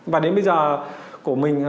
và đến bây giờ của mình